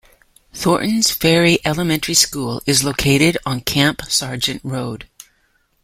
Thorntons Ferry Elementary School is located on Camp Sargent Road.